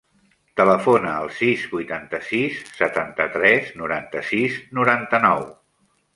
Telefona al sis, vuitanta-sis, setanta-tres, noranta-sis, noranta-nou.